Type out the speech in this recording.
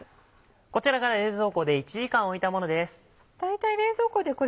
こちらが冷蔵庫で１時間置いたものです。